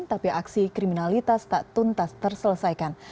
tapi aksi kriminalitas tak tuntas terselesaikan